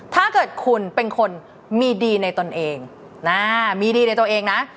ถ้าเกิดคุณเป็นคนมีดีในตนเองมีดีในตัวเองนะ